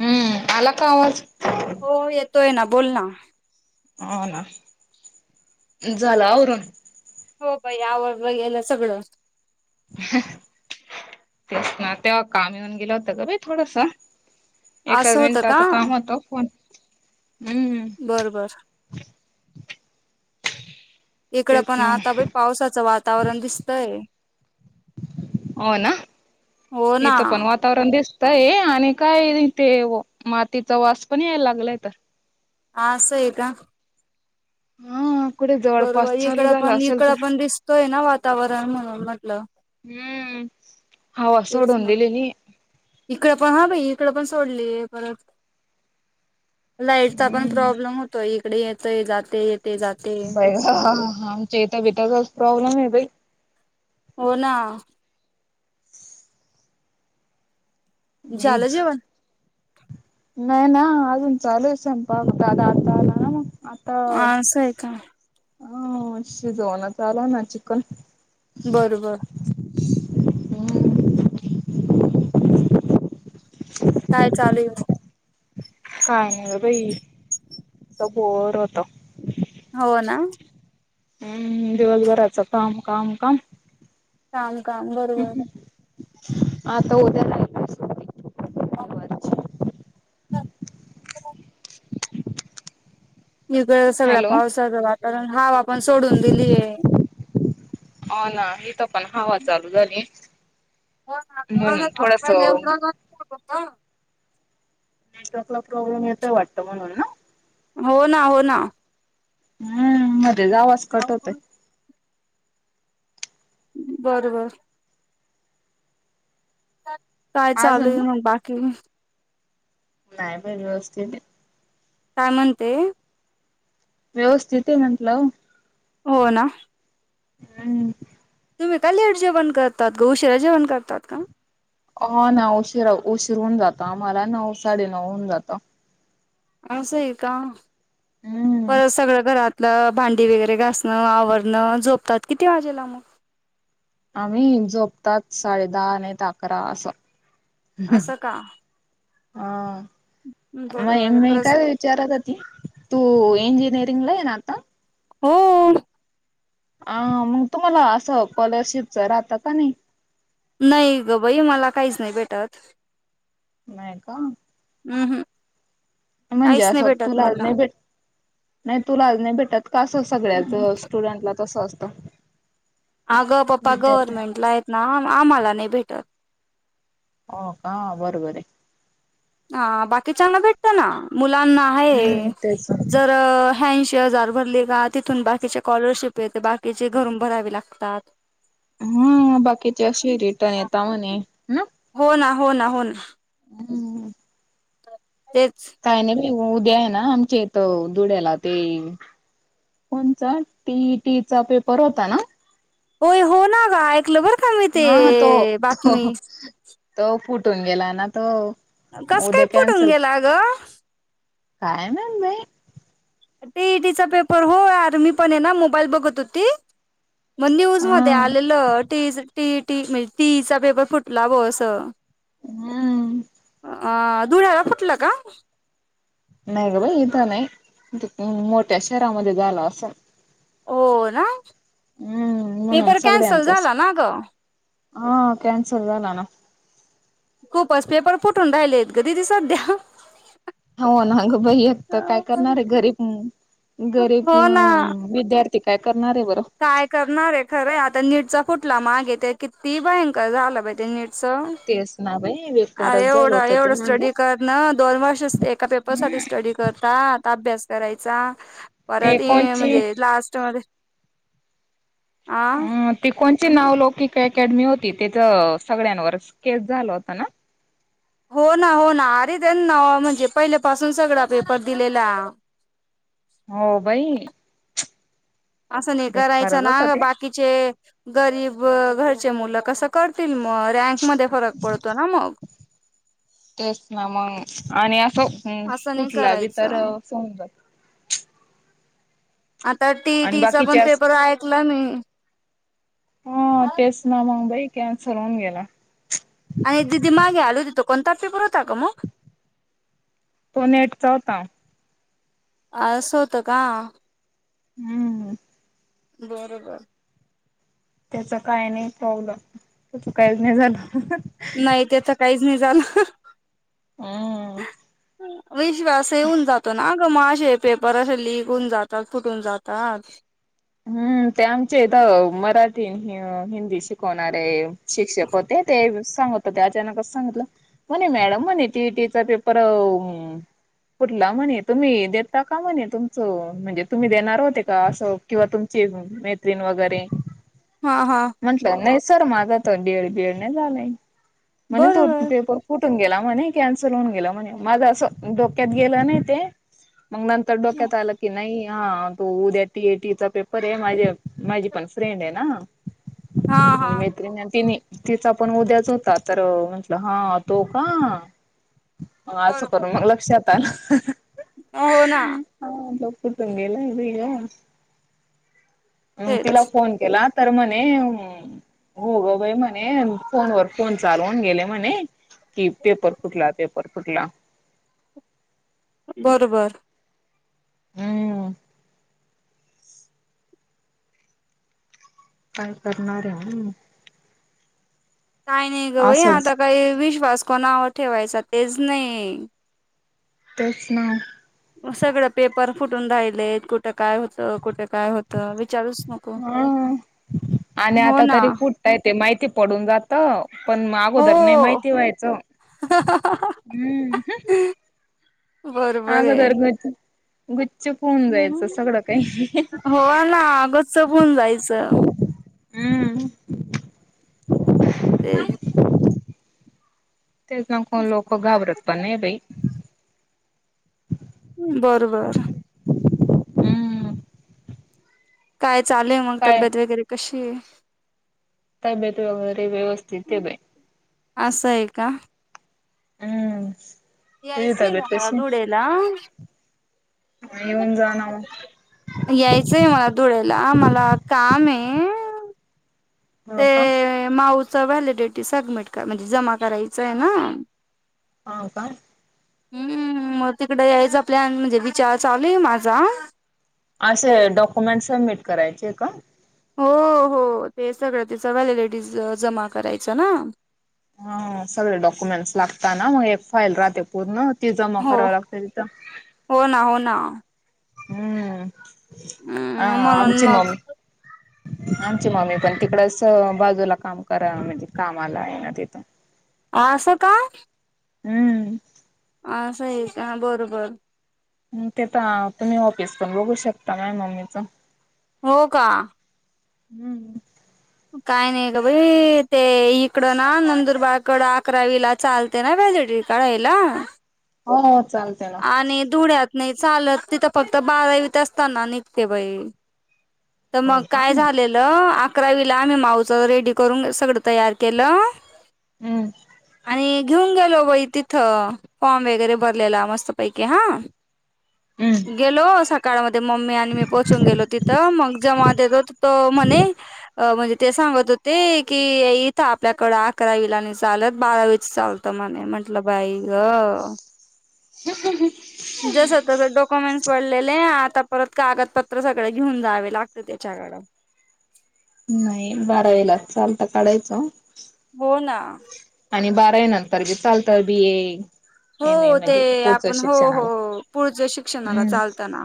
हम्म आला का आवाज? हो येतोय ना बोल ना. होऊ ना, झालं आवरून? हो बाई आवरलं गेलं सगळं. तेच ना तेव्हा काम येऊन गेलं होतं ग बाई थोडसं. एक असं होतं का [unintelligible] काम होतं पण हम्म. बर बर. इकडं तेच पण ना आता बी पावसाचं वातावरण दिसतय. हो ना हो ना इथं पण वात तावरण दिसतय आणि काय तेे मातीचा वास पण यायला लागलाय तर. हा असं आहे का. हा कुठे जवळपास बरोबर चालू इकडं झाला पण असेल इकडं तर पण दिसतोय ना वातावरण म्हणून म्हटलं. हम्म हवा सोडून दिलेली आहे. इकड पण हा बाई इकडं पण सोडली परत लाईट चा पण हम्म प्रॉब्लेम होतोय इकडे येत जाते येते जा बाई ग आमच्या इथे पण तसाच प्रॉब्लेम आहे बाई. हो ना. झालं वीज जेवण? नाही ना अजून चालू आहे स्वयंपाक दादा आता आला ना मग आता असं आहे का अ शिजवणं चालू येण चिकन. बर बर. हम्म काय चालू हे मग? काय नाही ग बाई बोर होत. हो ना. हम्म दिवसभराचं काम काम काम काम काम बरोबर. आता उद्या नाही [unintelligible] हो. इकळ सगळ्या हॅलो पावसाचं वातावरण हावा पण सोडून दिलीय. ओ ना इथ पण हवा चालू झाली. हो म्हणून थोडस ना ग [unintelligible] नेटवर्कला प्रॉब्लेम येतोय वाटतं म्हणून ना, हो ना हो ना. हम्म मध्ये आवाज कट होतोय. बर बर. काय चालू आहे मग बाकी? नाही बाई व्यवस्थित हे. काय म्हणते? व्यवस्थित हे म्हंटलं. हो ना. हम्. तुम्ही का लेट जेवण करतात ग उशिरा जेवण करतात का? हो ना उशीरा उशीरहून जात आम्हाला नऊ साडे नऊ हून जात. असं आहे का हम्म परत सगळ घरात ल भांडी वगैरे घासणं आवरणं, झोपतात किती वाजेला मग? आम्ही जोपतात साडेदहा आणि तर अकरा असं. असं का हा बरोबर नाही आहे मी परत काय विचारात होती, तू इंजिनिअरिंगला हे ना आता? हो. अ मग तुम्हाला असं स्कॉलरशिपच राहतं का नाही. नाही ग बाई मला काहीच नाही भेटत. नाहीय का? हम्. हम. म्हणजे असं तुला आज मला. नाही भेट नाही तुला आज नाही भेटत कासं सगळ्याच स्टुडंटला तसं असतं. अगं पप्पा विद्यार्थ्यांना. गव्हर्नमेंट ला आहेत ना, आम्हाला नाही भेटत. हो का बरोबर आहे. ह बाकीच्याना भेटत ना मुलांना आहे हम्म तेच [inaudible] ज ह [inaudible] े हजार भरले का तिथून बाकीचे कॉलरशिप येत बाकीचे घरून भरावे लागतात. हा बाकीचे अशी रिटर्न [inaudible] येेतता म [inaudible] णे हो ना, हो ना, हो ना, हम्म.. तेच. काही नाही उद्या आहे ना, आमच्या इथ धुळ्याला ते. कोणचा टीटीचा पेपर होता ना. होय हो ना ग ऐकलं बरं का मी ते हा तो तो बातमी. तो फुटून गेला ना तो. कसं काय उद्या फुटून कॅन्सल गेला गं. काय [inaudible] म बाई. [inaudible] ते ईटीचा पेपर हो आर मी पण ये ना मोबाईल बघत होती. मग न्यूज हा मध्ये आलेलं टी टी टी म्हणजे टीचा पेपर फुटला ब असं. हम. अ धुळ्याला फुटलं का? नाही ग [inaudible] ब इथं नाही मोठ्या शहरामध्ये झालं असं. हो ना हम्म म्हणून पेपर कॅन्सल सगळ्यांचच झाला ना ग. हा कॅनसल झाला ना. खूपच पेपर फुटून राहिले आहेत [inaudible] ग तीी सध्या. [inaudible] हो नाग [inaudible] भाईत काय करणार आहे गरीब गरीब हो ना विद्यार्थी. ते काय करणार आहे बरं. काय करणार आहे खरं आता नीटचा फुटला मागे ते किती भयंकर झालं [inaudible] पाहि ते नीटचं. [inaudible] स ना [inaudible] भाई अ एवढं एवढं स्टडी कर न दोन वर्ष एका पेपर साठी स्टडी करत आ अभ्यास करायचा. ते परत कोणची म्हणजे लास्ट मध्ये अ. ती कोणची नावलौकिक अकॅडमी होती त्याच सगळ्यांवर केस झाला होता ना. हो ना, हो ना अरे त्यां ना म्हणजे पहिल्यापासून सगळा पेपर दिलेला. हो [inaudible] भाई. असं नाही करायचं बेकारच ना होत ग ते. बाकी. [inaudible] कि गरीब घरचे मुलं [inaudible] क करतील [inaudible] मगक मध्ये फरक पडतो ना मग. तेच ना मग आणि असं नाही कुठला बी तर करायचं [inaudible] सऊन जात आता टी आणि टीचा पण बाकीच्याच पेपर ऐकला मी. ह तेच ना मगबाई [inaudible] क सरवून गेला. आणि दिदी मागे आली होती. तो कोणता पेपर होता ग मग. तो नेटचा होता. असं होतं का.... हम्म... बरोबर... त्याच काही नाही प्रॉब्लेम. काहीच नाही झालं. नाही तेच काहीच नाही झालं. हम्म...... विश्वास येऊन जातो ना ग मग असे पेपर असे लिक होऊन जातात फुटून जातात. हम्म.... ते आमचे इथ मराठी हिंदी शि... होणारे शिक्षक होते ते सांग... तर ते अचानकच सांगितलं. म्हणे मॅडम म्हणे टी. E T. चा पे पर अ..... कुठला म्हणे तुम्ही देता का म्हणे तुमचा.. म्हणजे तुम्ही देणार होते का अस.. किंवा तुमची मैत्रीण वैगैरे.. हा- हा...... म्हंटलं नाही सर माझ तर डी. एड. बी. एड. तर नाही झालाय. म्हणे तू ते बरोबर पेपर.... कुठून गेला म्हणे कॅन्सल होऊन गेला म्हणे माझं असं. डोक्यात गेलं नाही ते.. मग नंतर डोक्यात आलं की नाही हा... तू उद्या टी. ए. टी.... चा पेपर आहे. माझी पण फ्रेंड आहे ना... हा आणि हा मैत्रिण आणि तिने. तिचा पण उद्याच होता. तर म्हटलं हा... तो.. का...? हं.... असं करून मग लक्षात आलं. अ.. हो.... ना... हा... [unintelligible] हम्म.... तिला तेच फोन केला तर म्हणे.. हो ग बाई म्हणे.... फोनवरर फोन चालवून गेले म्हणे.. कि पेपर फुटला... पेपर फुटला... बरोबर.. हम्म.... काय करणार आहे... काय नाही ग बाई असंच. आता काही विश्वास कोणावर ठेवायचा तेच नाही.. तेच ना... सगळं पेपर फुटून राहिलेत. कुठं काय होतं. कुठं काय होतं. विचारूस... हा... आणि हो आता ना तरी कुठता येत माहिती पडून जात. पण हो. अगोदर नाही माहिती व्हाय चं. हम्म... हम.. बरोबर आहे. गुच् गुच्चूप होऊन हो.. जायचं सगळं काही. आ.. ना.. आगच सपून जायचं. हम्म... तेल... तेच ना कोण लोक घाबरत पण नाही.. बाई.. बरोबर. हम्म काय चालय मग काय तब्येत वगैरे कशी आहे? तब्येत वगैरे व्यवस्थित ए बाई. असं आहे का? हम्म... तुझी तब्येत कशी ए. ला.... म येऊन जा ना मग यायचंय मला धुळ्याला मला काम ये. हो का माऊचा व्हॅलिडिटी सबमिट म्हणजे जमा करायचं ये ना हो का हम्म मग तिकड यायचा प्लॅन म्हणजे विचार चालू ये माझा असे डॉक्युमेंट सबमिट करायचे ये का? हो हो ते सगळं तिचं व्हॅलिलिटीज जमा करायच ना हा सगळे डॉक्युमेंट्स लागता ना मग एक फाईल राहते पूर्ण ती जमा हो कराव लागते तिथं हो ना हो ना हम्म हा अ म्हणून आमची मग मम्मी आमची मम्मी पण तिकडच बाजूला काम करा म्हणजे कामाला ये ना तिथ आस का हम्म असये का बरोबर मग तिथं आपने ऑफिस पण बघू शकता माया मम्मीचा हो का हम्म काय नाही ग बाई ते इकडं ना नंदुरबारकड अकरावीला चालते ना व्हॅलिडीटी काढायला हो चालते ना आणि धुळ्यात नाही चालत तिथं फक्त बारावीत असताना निघते बाई तर हो मग का? काय झालेलं अकरावीला आम्ही माऊचं रेडी करून सगळं तयार केलं हम्म आणि घेऊन गेलो बाई तिथं फॉर्म वगैरे भरलेला मस्तपैकी हा हम्म गेलो सकाळमध्ये मम्मी आणि मी पोहोचून गेलो तिथं मग तो म्हणे अ म्हणजे ते सांगत होते की इथं आपल्याकडें अकरावीला नाही चालत बारावीच चालत. ते म्हणे म्हंटलं बाई ग [inaudible] जसं त्यास डॉक्युमेंट्स पडलेले आता परत कागदपत्र सगळे घेऊन जावे लागते त्याच्याकड नाही बारावीला चालत काढायचं. हो ना आणि बारावी नंतर बी चालत बी ए हो एम ए ते म्हणजे पुढचं आपण हो हो शिक्षणाला. पुढच्या शिक्षणाला हम्म चालत ना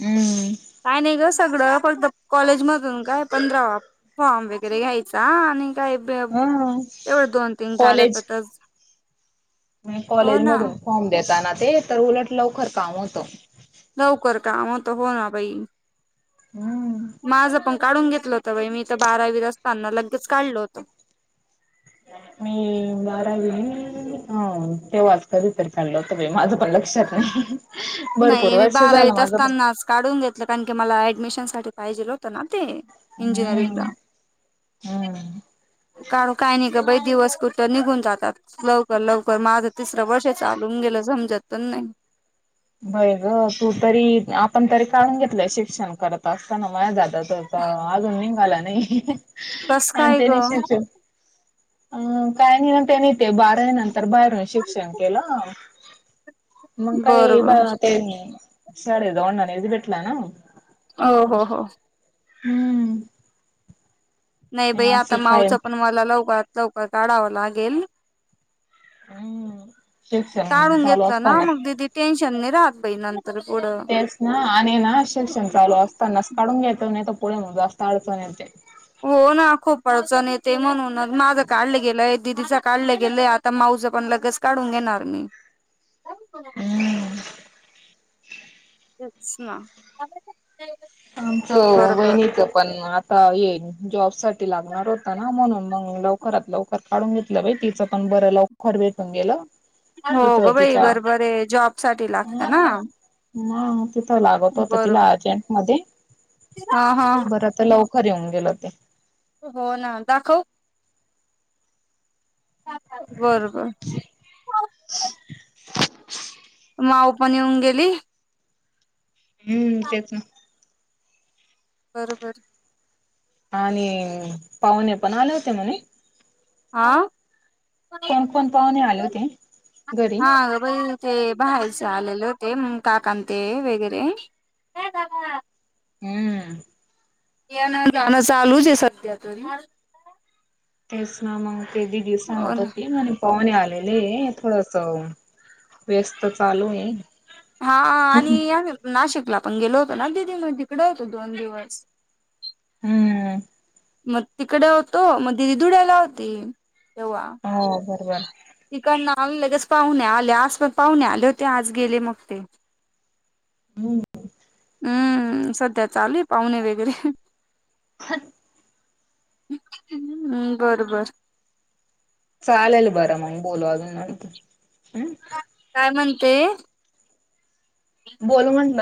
हम्म आणि ग सगळं पण कॉलेजमधून काय पंधरावा फॉर्म वगैरे घ्यायचा आणि काय हा तेवढं दोन तीन कागदपत्र म्हणे हो कॉलेज ना मधून फॉर्म देता ना ते तर उलट लवकर काम होतं. लवकर काम होत हो ना बाई हम्म माझ पण काढून घेतला होता बाई मी तर बारावीला असताना लगेच काढल होतं. आणि मी बारावी हो तेव्हाच कधीतरी काढलं होत बाई माझं पण लक्षात नाही. भरपूर नाही मी वर्ष झालं बारावीत माझं पण असतानाच काढून घेत कारण की मला ऍडमिशन साठी पाहिजेल होतं ना ते हम्म इंजिनिअरिंगला. हम्म. काम काय नाही ग बाई, दिवस कुठ निघून जातात. लवकर लवकर माझं तिसरं वर्ष चालून गेलं समजत पण नाही. बय ग तू तरी आपण तरी काढून घेतलंय शिक्षण करत असताना माझ्या दादाच [unintelligible] अजून निघाला नाही कस आणि काय ग त्यानी श अं न काय नाही न त्याने बारावी नंतर बाहेरून शिक्षण केलं. मग काय ब बरोबर ते शाळे जवळ नाहीच भेटला ना. हो हो हो हम्म नाही बाई आता असं फाईल मावचं पण मला लवकरात लवकर काढावं लागेल. हम् [unintelligible] टाळून घेतला ना मग दिदी टेन्शन नाही राहत बाई नंतर पुढं. तेच ना आणि ना शिक्षण चालू असतानास काढून घ्यायचा नाही तर पुढे मग जास्त अडचण येते. हो ना खूप अडचण येते, म्हणूनच माझं काढलं गेलंय दिदीचा काढलं गेलंय आता माऊच पण लगेच काढून घेणार मी. हम् [unintelligible] तेच ना आमच ते बरोबर बहिणीच [inaudible] पण आता हे जॉब साठी लागणार होता ना म्हणून मग लवकरात लवकर तर काढून घेतलं बाई तिचं पण बर लवकर भेटून गेलं. हो तिथं गं बाई तिच्या बरोबर आहे जॉब साठी ह लागत ना. मग तिथं लागत होत तिला अर्जट मध्ये अ ह [unintelligible] खर तर लवकर येऊन गेलं ते हो ना दाखवू बरोबर [inaudible] [unintelligible] माऊ पण येऊन गेली. हम्म तेच ना बरोबर आणि पाहुणे पण आले होते म्हणे. आ.. कोण कोण पाहुणे आले होते घरी हा ग बाई ते बाहेरच आलेले होते मग काका न ते वगैरे ये दादा.. हम्म येण जाण चालूच आहे सध्या तरी तेच ना मग ते दीदी हो सांगत ना होती म्हणे पाहुणे आलेले आहे थोडस व्यस्त चालू आहे. हा.. आणि आम्ही नाशिकला पण गेलो होतो ना दिदी मग तिकडे फक्त दोन दिवस हम्म मग तिकडे होतो मग दिदी धुळ्याला होती तेव्हा हो बरोबर. तिकडंन आणलं लगेच पाहुणे आले आस पाहुणे आले होते आज गेले मग ते हो हो हम्म सध्या चालेू आहे पाहुणे वगैरे खत. बरबर! चालेल बरं मग बोलू अजून नंतर हूं काय म्हणते? बोल म्हटलं.